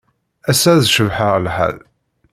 Ass-a ad yecbeḥ lḥal.